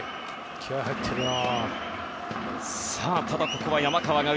気合入ってるな。